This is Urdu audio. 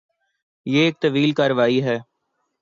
یہ ایک طویل کارروائی ہے۔